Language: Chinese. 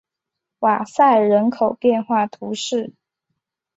瓦塞人口变化图示